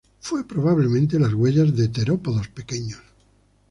Fue probablemente las huellas de terópodos pequeños.